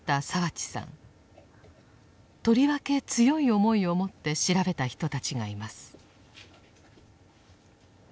とりわけ強い思いをもって調べた人たちがいます。